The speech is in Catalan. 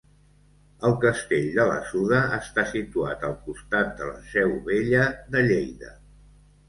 El castell de la Suda està situat al costat de la seu vella de Lleida.